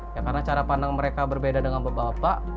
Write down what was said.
ya karena cara pandang mereka berbeda dengan bapak bapak